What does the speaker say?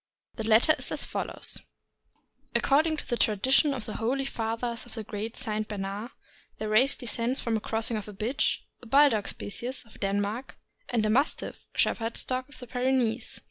The letter is as follows: According to the tradition of the holy fathers of the great St. Bernard, their race descends from the crossing of a bitch (a Bulldog species) of Den mark and a Mastiff (Shepherd's dog) of the Pyrenees.